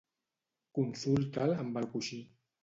Consulta'l amb el coixí